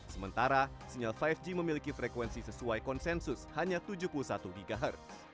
sementara sinyal lima g memiliki frekuensi sesuai konsensus hanya tujuh puluh satu gh